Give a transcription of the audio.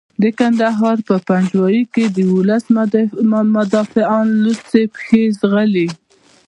په کندهار پنجوايي کې د ولس مدافعان لوڅې پښې ځغلي.